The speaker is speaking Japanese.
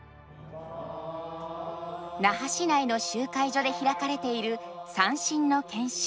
那覇市内の集会所で開かれている三線の研修。